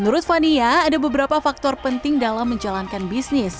menurut fania ada beberapa faktor penting dalam menjalankan bisnis